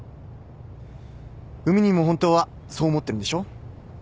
海兄も本当はそう思ってるんでしょ？